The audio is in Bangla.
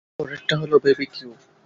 পরেরটা হল বেবিকিউ।